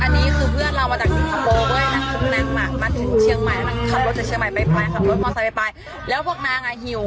นี่ไงแขกไม่ได้รับเชิญ